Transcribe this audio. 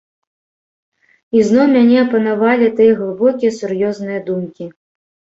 Ізноў мяне апанавалі тыя глыбокія, сур'ёзныя думкі.